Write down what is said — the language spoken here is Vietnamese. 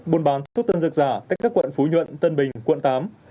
buôn bán thuốc tân dược giả cách các quận phú nhuận tân bình quận tám